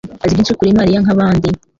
azi byinshi kuri Mariya nkabandi.